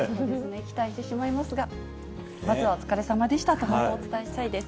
期待してしまいますが、まずはお疲れさまでしたとお伝えしたいです。